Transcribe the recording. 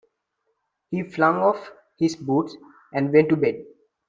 He flung off his boots and went to bed.